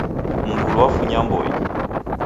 Mngulu wafunya mboi.